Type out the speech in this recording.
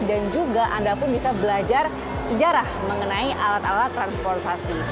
dan juga anda pun bisa belajar sejarah mengenai alat alat transportasi